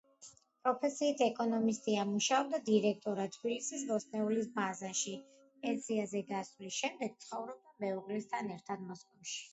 პროფესიით ეკონომისტია, მუშაობდა დირექტორად თბილისის ბოსტნეულის ბაზაში, პენსიაზე გასვლის შემდეგ ცხოვრობდა მეუღლესთან ერთად მოსკოვში.